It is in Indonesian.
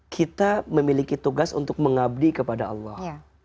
kita memiliki tugas untuk mengabdi kepada allah